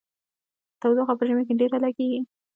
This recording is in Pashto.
تودوخه په ژمي کې ډیره لګیږي.